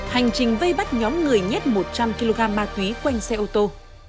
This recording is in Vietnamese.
hành trình vây bắt nhóm người nhét một trăm linh kg ma túy quanh xe ô tô